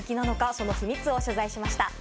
その秘密を取材しました。